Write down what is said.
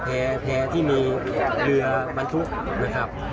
แพร่ที่มีเรือบรรทุกนะครับ